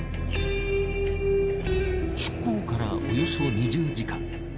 出港からおよそ２０時間。